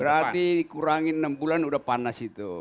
berarti kurangin enam bulan udah panas itu